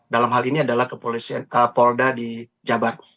dalam hal ini adalah kepolisian polda di jawa barat